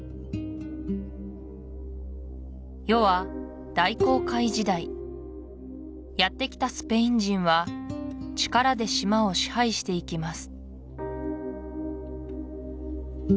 世は大航海時代やってきたスペイン人は力で島を支配していきます